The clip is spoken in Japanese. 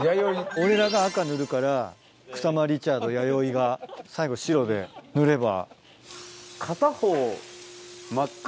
俺らが赤塗るから草間リチャード彌生が最後白で塗れば。